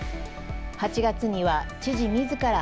８月には知事みずから